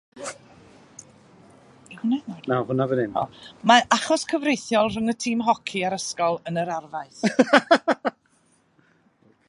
Mae achos cyfreithiol rhwng y tîm hoci a'r ysgol yn yr arfaeth.